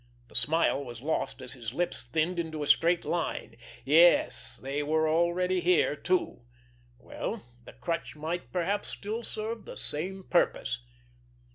The smile was lost as his lips thinned into a straight line. Yes, they were already here too! Well, the crutch might perhaps still serve the same purpose!